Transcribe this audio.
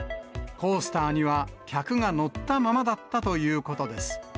コースターには客が乗ったままだったということです。